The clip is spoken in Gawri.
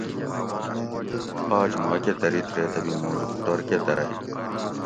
آج ما کہ دریت ریتہ بھی موں لوکوٹور کہ درئ